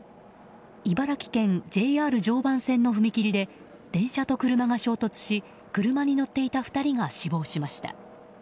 茨城県ＪＲ常磐線の踏切で電車と車が衝突し車に乗っていた２人が死亡しました。